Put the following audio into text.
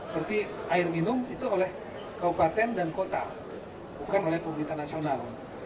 berarti air minum itu oleh kabupaten dan kota bukan oleh pemerintah nasional